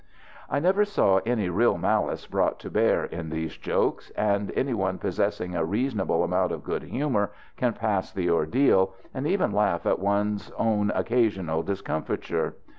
I never saw any real malice brought to bear in these jokes, and any one possessing a reasonable amount of good humour can pass the ordeal, and even laugh at one's own occasional discomfiture.